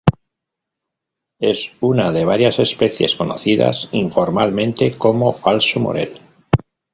Es una de varias especies conocidas informalmente como "falso morel".